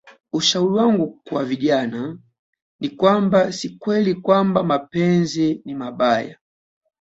Ushauri wangu kwa vijana ni kwamba si kweli kwamba mapenzi ni mabaya